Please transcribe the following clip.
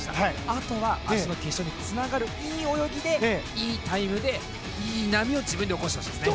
あとは、明日の決勝につながるいい泳ぎでいいタイムで、いい波を自分で起こしてほしいです。